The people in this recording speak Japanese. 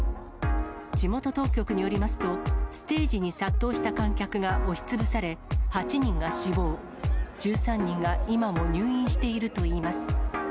地元当局によりますと、ステージに殺到した観客が押しつぶされ、８人が死亡、１３人が今も入院しているといいます。